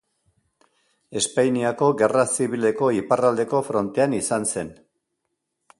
Espainiako Gerra Zibileko iparraldeko frontean izan zen.